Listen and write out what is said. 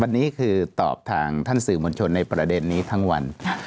วันนี้คือตอบทางท่านสื่อมวลชนในประเด็นนี้ทั้งวัน